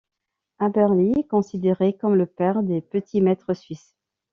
Aberli est considéré comme le père des Petits maîtres suisses.